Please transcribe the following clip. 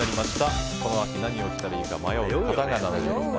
この秋、何を着たらいいか迷う。